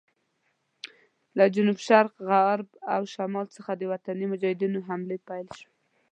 له جنوب شرق، غرب او شمال څخه د وطني مجاهدینو حملې پیل شوې.